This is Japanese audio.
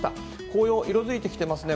紅葉、色づいてきてますね。